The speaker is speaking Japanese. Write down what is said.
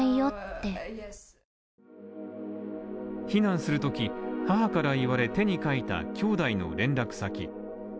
避難するとき、母から言われて書いたきょうだいの連絡先。